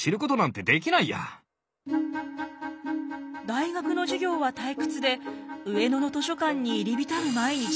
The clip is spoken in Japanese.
大学の授業は退屈で上野の図書館に入り浸る毎日。